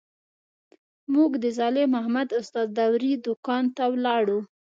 موږ د صالح محمد استاد داوري دوکان ته ولاړو.